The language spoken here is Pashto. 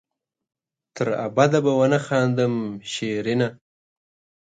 تر ابده به ونه خاندم شېرينه